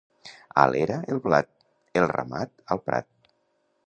A l'era, el blat; el ramat, al prat.